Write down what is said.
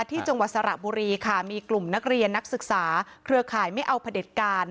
จังหวัดสระบุรีค่ะมีกลุ่มนักเรียนนักศึกษาเครือข่ายไม่เอาพระเด็จการ